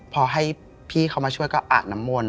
พอให้พี่เขามาช่วยก็อาบน้ำมนต